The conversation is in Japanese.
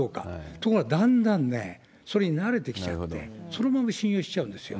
ところがだんだんね、それに慣れてきちゃって、そのまま信用しちゃうんですよ。